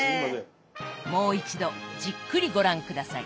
もう一度じっくりご覧下さい。